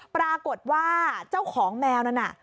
ปรากฏว่าเจ้าของแมวนั้นน่ะ